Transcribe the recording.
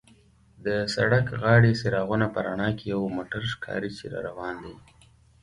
د سړک غاړې څراغونو په رڼا کې یو موټر ښکاري چې را روان دی.